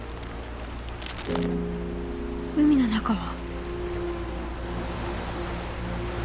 海の中は？